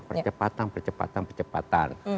percepatan percepatan percepatan